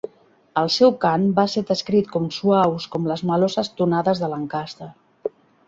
El seu cant va ser descrit com suaus com les meloses tonades de Lancaster.